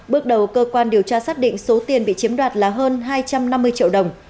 bước đầu cơ quan điều tra xác định số tiền bị chiếm đoạt là hơn hai trăm năm mươi triệu đồng